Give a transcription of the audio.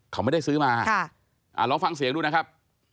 เขาไม่ได้ซื้อมาลองฟังเสียงดูนะครับ